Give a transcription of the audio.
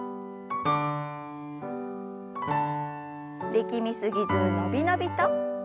力み過ぎず伸び伸びと。